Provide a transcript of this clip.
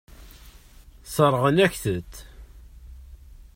Sseṛɣen-akent-t.